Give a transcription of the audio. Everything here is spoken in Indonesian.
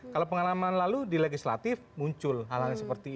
kalau pengalaman lalu di legislatif muncul hal hal yang seperti ini